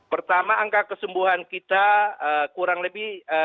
pertama angka kesembuhan kita kurang lebih